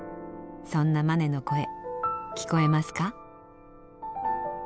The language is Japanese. そんなマネの声聞こえますか？